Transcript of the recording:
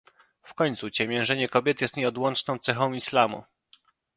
W końcu ciemiężenie kobiet jest nieodłączną cechą islamu